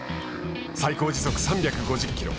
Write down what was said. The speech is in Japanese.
最高時速３５０キロ